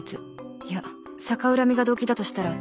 いや逆恨みが動機だとしたら同情できない